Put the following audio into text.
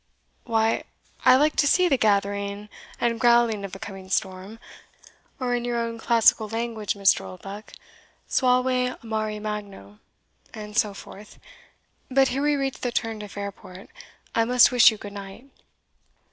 "Why I like to see the gathering and growling of a coming storm or, in your own classical language, Mr. Oldbuck, suave mari magno and so forth but here we reach the turn to Fairport. I must wish you good night."